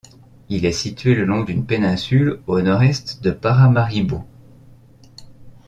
Il est situé le long d'une péninsule au nord-est de Paramaribo.